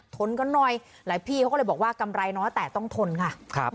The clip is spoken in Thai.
ทนกันหน่อยหลายพี่เขาก็เลยบอกว่ากำไรน้อยแต่ต้องทนค่ะ